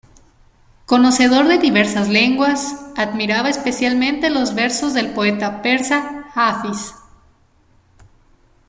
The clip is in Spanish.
Conocedor de diversas lenguas, admiraba especialmente los versos del poeta persa Hafiz.